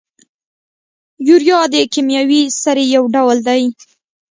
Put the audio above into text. یوریا د کیمیاوي سرې یو ډول دی.